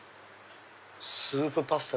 スープパスタ